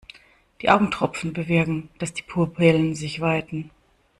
Die Augentropfen bewirken, dass die Pupillen sich weiten.